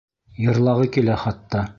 Йырлағы килә хатта.